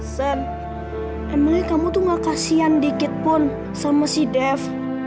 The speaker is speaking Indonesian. sen emangnya kamu tuh gak kasihan dikit pun sama si dev